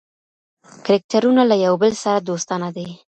کرکټرونه له یو بل سره دوستانه دي.